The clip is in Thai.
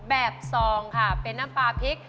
ซองค่ะเป็นน้ำปลาพริก